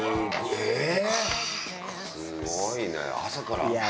すごいね朝から。